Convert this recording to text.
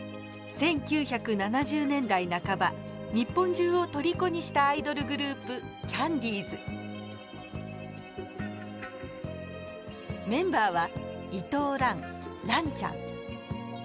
１９７０年代半ば日本中を虜にしたアイドルグループメンバーは伊藤蘭ランちゃん。